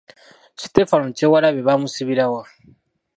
Stephano Kyewalabye baamusibira wa?